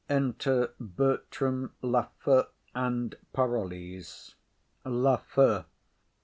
Enter Bertram, Lafew and Parolles. LAFEW.